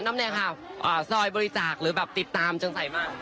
น้ำเนี่ยค่ะอ่าซอยบริจาคหรือแบบติดตามจังใสมาก